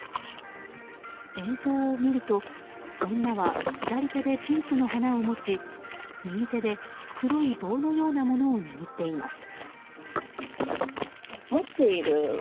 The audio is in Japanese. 映像を見ると女は左手でピンクの花を持ち右手で黒い棒のようなものを握っています。